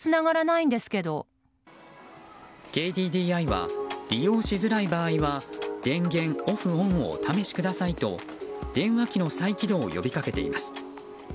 ＫＤＤＩは利用しづらい場合は電源オフ、オンをお試しくださいと電話機の再起動を呼びかけています。